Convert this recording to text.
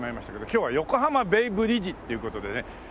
今日は横浜ベイブリッジという事でね。